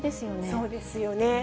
そうですよね。